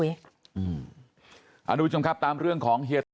อืมอนุญาตชุมครับตามเรื่องของเฮียทรีย์